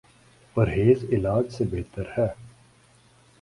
پرہیز علاج سے بہتر ہے